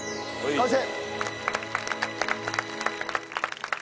完成！